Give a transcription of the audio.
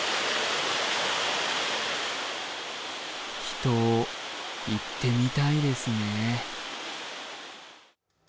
秘湯、行ってみたいですね。